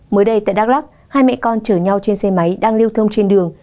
mới đây tại đắk lắc hai mẹ con chở nhau trên xe máy đang lưu thông trên đường